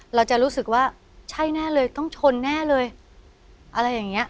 เราจะรู้สึกว่าใช่แน่เลยต้องชนแน่เลยอะไรอย่างเงี้ย